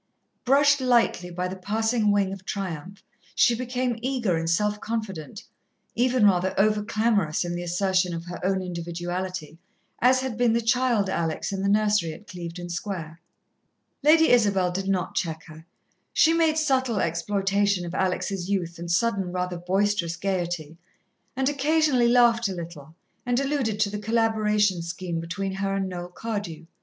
Brushed lightly by the passing wing of triumph, she became eager and self confident, even rather over clamorous in the assertion of her own individuality, as had been the child Alex in the nursery at Clevedon Square. Lady Isabel did not check her. She made subtle exploitation of Alex' youth and sudden, rather boisterous gaiety, and occasionally laughed a little, and alluded to the collaboration scheme between her and Noel Cardew.